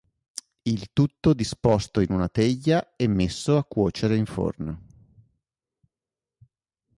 Il tutto disposto in una teglia e messo a cuocere in forno.